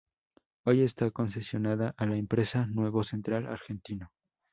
Hoy está concesionada a la empresa Nuevo Central Argentino.